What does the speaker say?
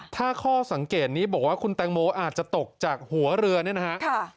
ถ้าข้อสังเกตนี้บอกว่าคุณแตงโมอาจจะตกจากหัวเรือเนี่ยนะฮะ